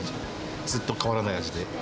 ずっと変わらない味で。